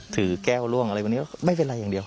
ถือแก้วล่วงอะไรวันนี้ไม่เป็นไรอย่างเดียว